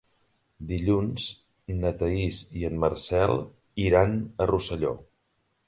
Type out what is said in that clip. Dilluns na Thaís i en Marcel iran a Rosselló.